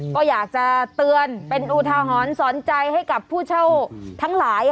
ก็อยากจะเตือนเป็นอุทาหรณ์สอนใจให้กับผู้เช่าทั้งหลาย